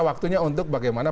waktunya untuk bagaimana